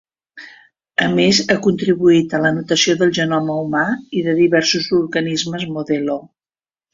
A més ha contribuït a la notació del genoma humà i de diversos organismes modelo.